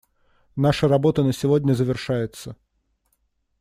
Наша работа на сегодня завершается.